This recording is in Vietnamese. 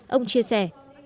ông chia sẻ